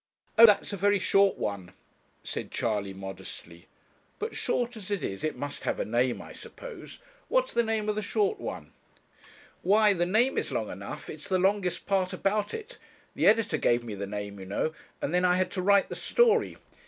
'Oh, that's a very short one,' said Charley, modestly. 'But, short as it is, it must have a name, I suppose. What's the name of the short one?' 'Why, the name is long enough; it's the longest part about it. The editor gave me the name, you know, and then I had to write the story.